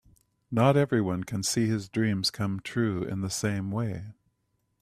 Not everyone can see his dreams come true in the same way.